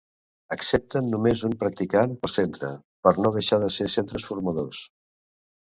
Accepten només un practicant per centre, per no deixar de ser centres formadors.